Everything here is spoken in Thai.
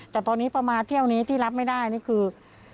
แต่ตอนนี้พอมาเที่ยวนี้ที่รับไม่ได้นี่คือ